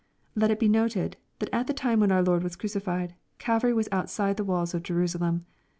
Let it be noted, that at the time when our Lord was crucified. Calvary was outside the walls of Jerusalem.